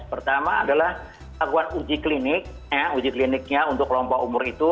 pertama adalah lakukan uji klinik uji kliniknya untuk kelompok umur itu